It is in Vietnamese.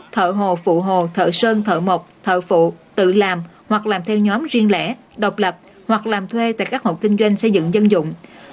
thợ hồ phụ hồ thợ sơn thợ mộc thợ phụ tự làm hoặc làm theo nhóm riêng lẻ độc lập hoặc làm thuê tại các hộ kinh doanh xây dựng dân dụng